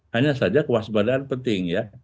hanya saja kewaspadaan penting ya